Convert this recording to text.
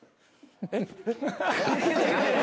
・えっ？